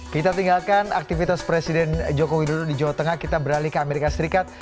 kita tinggalkan aktivitas presiden joko widodo di jawa tengah kita beralih ke amerika serikat